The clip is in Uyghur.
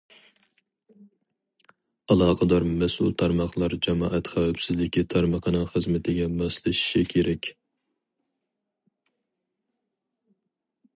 ئالاقىدار مەسئۇل تارماقلار جامائەت خەۋپسىزلىكى تارمىقىنىڭ خىزمىتىگە ماسلىشىشى كېرەك.